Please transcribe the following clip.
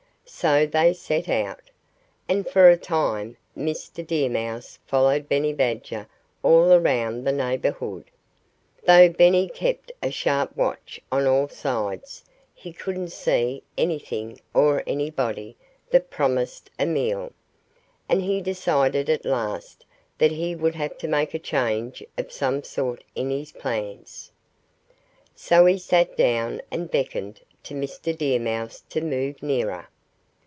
So they set out. And for a time Mr. Deer Mouse followed Benny Badger all around the neighborhood. Though Benny kept a sharp watch on all sides, he couldn't see anything or anybody that promised a meal. And he decided at last that he would have to make a change of some sort in his plans. So he sat down and beckoned to Mr. Deer Mouse to move nearer.